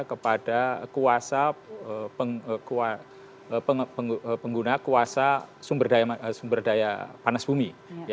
kepada pengguna kuasa sumber daya panas bumi